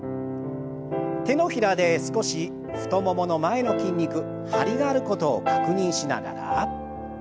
手のひらで少し太ももの前の筋肉張りがあることを確認しながら。